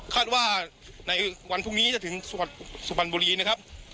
คาดว่าในวันพรุ่งนี้จะถึงสุพรรณบุรีนะครับ